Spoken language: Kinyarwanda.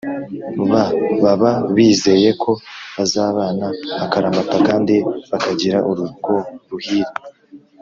b baba bizeye ko bazabana akaramata kandi bakagira urugo ruhire